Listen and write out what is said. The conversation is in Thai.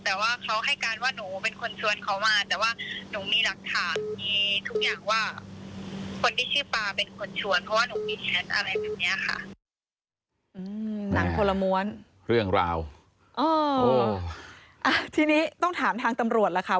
แต่ว่าเขาให้การว่าหนูเป็นคนชวนเขามาแต่ว่า